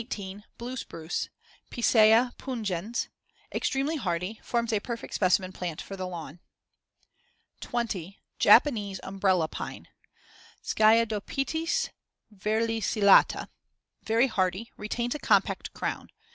Blue spruce (Picea pungens) Extremely hardy; forms a perfect specimen plant for the lawn. 20. Japanese umbrella pine (Sciadopitys verlicillata) Very hardy; retains a compact crown.